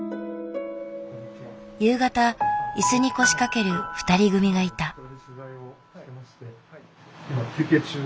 夕方椅子に腰掛ける２人組がいた。